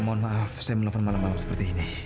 mohon maaf saya menelpon malam malam seperti ini